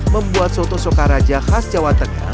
membuat soto sokaraja khas jawa tengah